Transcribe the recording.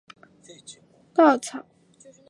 用稻草盖著